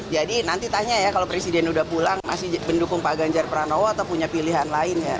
jadi nanti tanya ya kalau presiden udah pulang masih mendukung pak ganjar pranowo atau punya pilihan lainnya